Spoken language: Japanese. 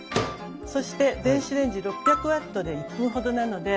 そして電子レンジ６００ワットで１分ほどなので。